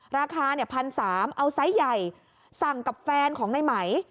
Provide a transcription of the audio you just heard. ราคาเนี่ยพันสามเอาไซส์ใหญ่สั่งกับแฟนของนายไหม